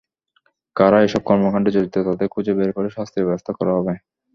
কারা এসব কর্মকাণ্ডে জড়িত, তাদের খুঁজে বের করে শাস্তির ব্যবস্থা করা হবে।